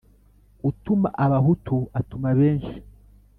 Utuma abahutu atuma benshi.